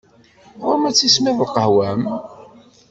Ɣur-m ad tismiḍ lqahwa-m!